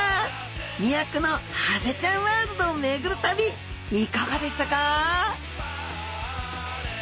魅惑のハゼちゃんワールドを巡る旅いかがでしたか？